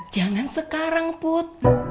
jangan sekarang put